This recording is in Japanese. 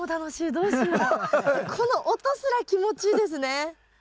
この音すら気持ちいいですね。